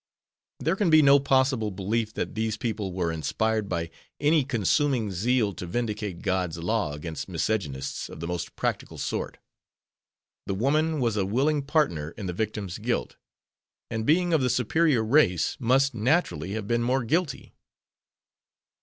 There can be no possible belief that these people were inspired by any consuming zeal to vindicate God's law against miscegnationists of the most practical sort. The woman was a willing partner in the victim's guilt, and being of the "superior" race must naturally have been more guilty.